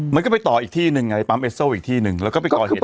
มันก็ไปต่ออีกที่หนึ่งไงปั๊มเอสโซอีกที่หนึ่งแล้วก็ไปก่อเหตุ